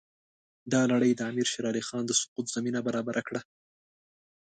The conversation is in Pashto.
دا لړۍ د امیر شېر علي خان د سقوط زمینه برابره کړه.